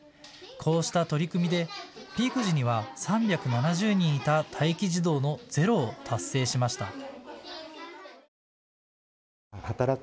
こうした取り組みでピーク時には３７０人いた待機児童のゼロを達成しました。